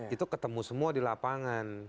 itu ketemu semua di lapangan